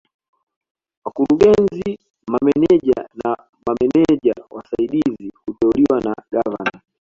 Wakurugenzi Mameneja na Mameneja Wasaidizi huteuliwa na Gavana